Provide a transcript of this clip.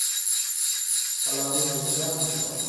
ملالۍ د چا لور وه؟